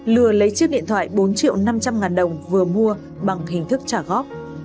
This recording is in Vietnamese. lừa lấy chiếc điện thoại bốn triệu năm trăm linh ngàn đồng vừa mua bằng hình thức trả góp